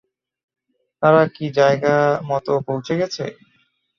তারা কী জায়গামত পৌঁছে গেছে?